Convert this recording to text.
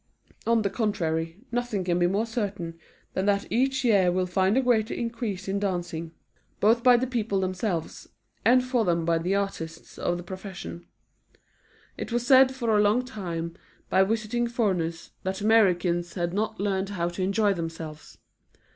On the contrary, nothing can be more certain than that each year will find a greater increase in dancing, both by the people themselves, and for them by the artists of the profession. It was said for a long time by visiting foreigners that Americans had not learned how to enjoy themselves.